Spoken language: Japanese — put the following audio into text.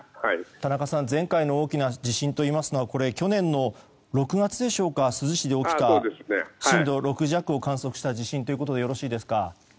田中さん前回の大きな地震といいますのは去年の６月でしょうか珠洲市で起きた震度６弱を観測した地震ということでよろしいですか？